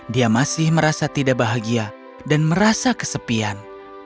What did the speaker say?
dia masih merasa tidak bahagia dan merasa kesepian